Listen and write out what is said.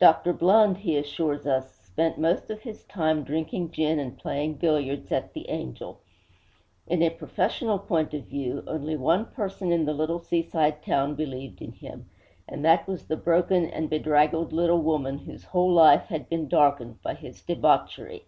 Dr. Blund, he assures us, spent most of his time drinking gin and playing billiards at 'The Angel.' In a professional point of view, only one person in the little seaside town believed in him, and that was the broken and bedraggled little woman whose whole life had been darkened by his debauchery.